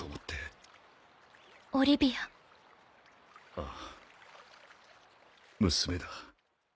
ああ娘だ。